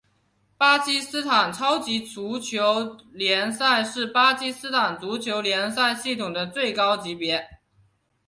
巴基斯坦超级足球联赛是巴基斯坦足球联赛系统的最高级别。